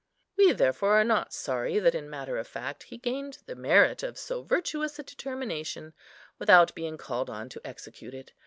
We, therefore, are not sorry that in matter of fact he gained the merit of so virtuous a determination, without being called on to execute it.